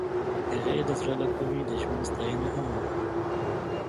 هغې د زړه له کومې د ژوند ستاینه هم وکړه.